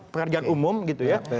pekerjaan umum gitu ya